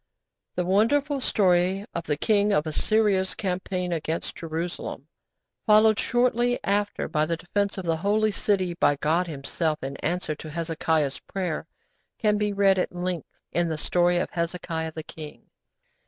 The wonderful story of the King of Assyria's campaign against Jerusalem, followed shortly after by the defence of the Holy City by God Himself in answer to Hezekiah's prayer, can be read at length in the story of 'Hezekiah the King.'